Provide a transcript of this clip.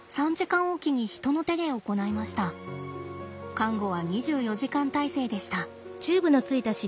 看護は２４時間態勢でした。